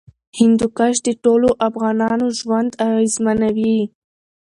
هندوکش د ټولو افغانانو ژوند اغېزمنوي.